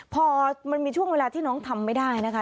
พอมันมีช่วงเวลาที่น้องทำไม่ได้นะคะ